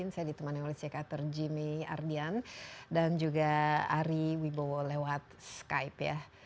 saya ditemani oleh si dr jimmy ardian dan juga ari wibowo lewat skype